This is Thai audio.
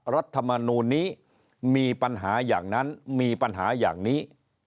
รัฐมนูลนี้มีปัญหาอย่างนั้นมีปัญหาอย่างนี้